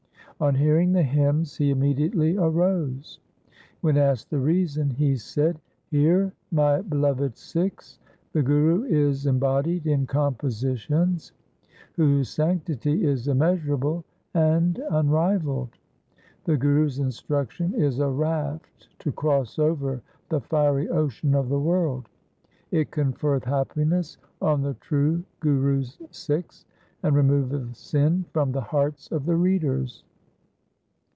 On hearing the hymns he immediately arose. When asked the reason he said, ' Hear, my beloved Sikhs, the Guru is embodied in compositions whose sanctity is immeasurable and unrivalled. The Guru's instruction is a raft to cross over the fiery ocean of the world. It con ferreth happiness on the true Guru's Sikhs, and removeth sin from the hearts of the readers.